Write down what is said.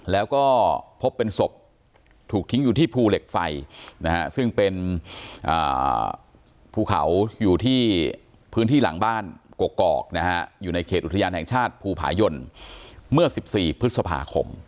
แล้วก็พบเป็นศพถูกทิ้งอยู่ที่ภูเหล็กไฟนะฮะซึ่งเป็นภูเขาอยู่ที่พื้นที่หลังบ้านกกอกนะฮะอยู่ในเขตอุทยานแห่งชาติภูผายนเมื่อ๑๔พฤษภาคม